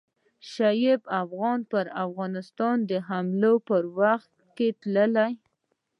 شعیب افغان پر افغانستان د حملو په وخت کې تللی.